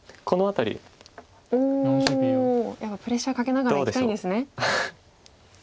やっぱプレッシャーかけながらいきたいですね。